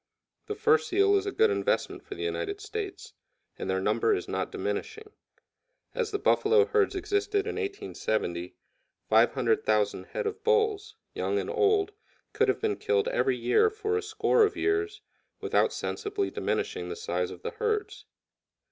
The fur seal is a good investment for the United States, and their number is not diminishing. As the buffalo herds existed in 1870, 500,000 head of bulls, young and old, could have been killed every year for a score of years without sensibly diminishing the size of the herds.